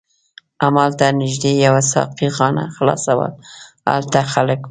هملته نږدې یوه ساقي خانه خلاصه وه، هلته خلک و.